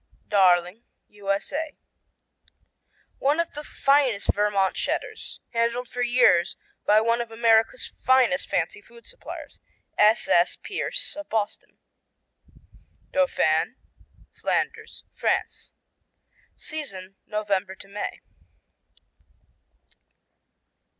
Darling U.S.A. One of the finest Vermont Cheddars, handled for years by one of America's finest fancy food suppliers, S.S. Pierce of Boston. Dauphin Flanders, France Season, November to May.